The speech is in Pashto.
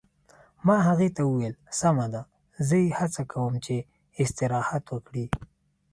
ما هغې ته وویل: سمه ده، زه یې هڅه کوم چې استراحت وکړي.